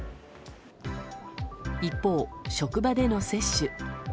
一方、職場での接種。